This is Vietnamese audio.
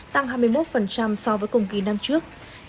tăng hai mươi một so với cùng kỳ năm trước